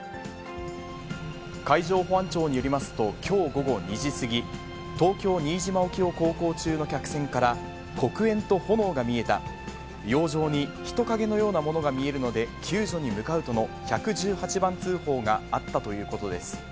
海上保安庁によりますと、きょう午後２時過ぎ、東京・新島沖を航行中の客船から、黒煙と炎が見えた、洋上に人影のようなものが見えるので、救助に向かうとの１１８番通報があったということです。